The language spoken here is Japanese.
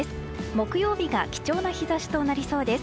木曜日が貴重な日差しとなりそうです。